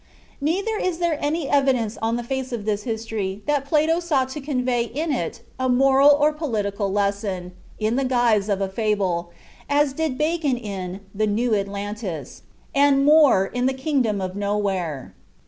Neither is there any evidence on the face of this history that Plato sought to convey in it a moral or political lesson, in the guise of a fable, as did Bacon in the "New Atlantis," and More in the "Kingdom of Nowhere."